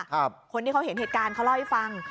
คนที่เขาเห็นเหตุการณ์เขาเล่าให้ฟัง